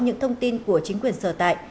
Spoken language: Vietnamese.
những thông tin của chính quyền sở tại